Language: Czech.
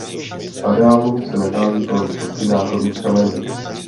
V areálu se nachází kolem stovky náhrobních kamenů.